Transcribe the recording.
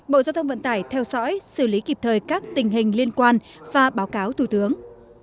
bộ giao thông vận tải theo dõi xử lý kịp thời các tình hình liên quan và báo cáo thủ tướng